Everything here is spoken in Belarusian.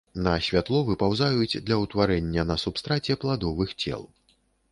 На святло выпаўзаюць для ўтварэння на субстраце пладовых цел.